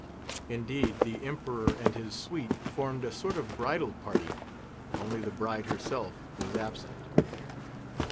Indeed, the Emperor and his suite formed a sort of bridal party, only the bride herself was absent.